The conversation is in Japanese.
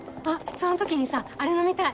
その時にさあれ飲みたい！